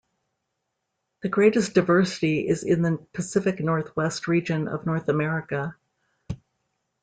The greatest diversity is in the Pacific Northwest region of North America.